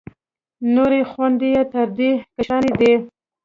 نورې خویندې یې تر دې کشرانې دي.